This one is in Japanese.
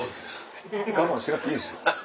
我慢しなくていいんですよ。